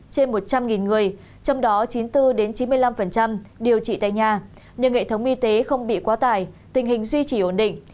trên một trăm linh người trong đó chín mươi bốn chín mươi năm điều trị tại nhà nhưng hệ thống y tế không bị quá tải tình hình duy trì ổn định